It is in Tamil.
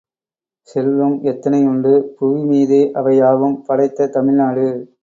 செல்வம் எத்தனையுண்டு புவிமீதே அவை யாவும் படைத்த தமிழ்நாடு